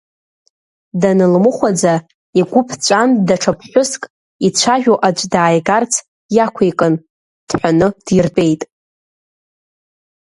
Данылмыхәаӡа, игәы ԥҵәан даҽа ԥҳәыск, ицәажәо аӡә дааигарц иақәикын, дҳәаны диртәеит.